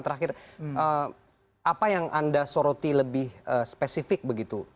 terakhir apa yang anda soroti lebih spesifik begitu